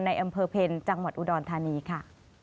ในอำเภอเพลจังหวัดอุดรธานีค่ะ